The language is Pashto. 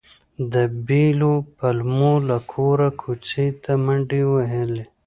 په بېلو پلمو له کوره کوڅې ته منډې وهلې.